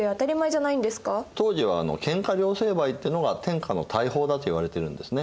当時は「喧嘩両成敗」ってのが天下の大法だといわれてるんですね。